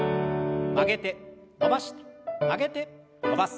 曲げて伸ばして曲げて伸ばす。